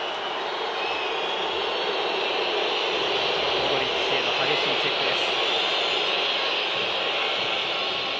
モドリッチへの激しいチェックです。